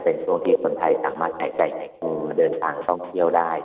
เป็นช่วงที่คนไทยสามารถหายใจหายคู่มาเดินทางท่องเที่ยวได้